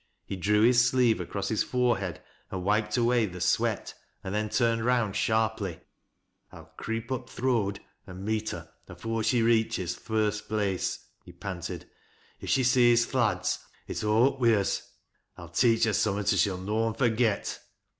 He drew his sleeve across his forehead and wiped away the sweat, and then turned round sharply. " I'll creep up th' road an' meet her afore she reaches th' first place," he panted. " If she sees th' lads, it's aw up wi' us. I'll teach her summat as she'll noan forget."